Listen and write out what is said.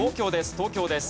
東京です。